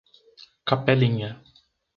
Capelinha